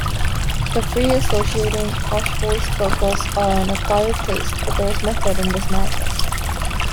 The free-associating, posh-voiced vocals are an acquired taste, but there's method in this madness.